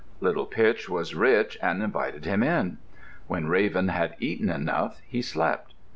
Little Pitch was rich, and invited him in. When Raven had eaten enough, he slept.